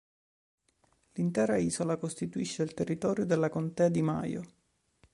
L'intera isola costituisce il territorio della Contea di Maio.